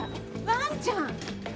ワンちゃん。